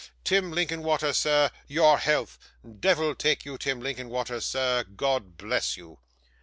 Tim Linkinwater, sir, your health. Devil take you, Tim Linkinwater, sir, God bless you.